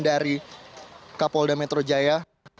ini adalah pembicaraan dari kapolda metro jaya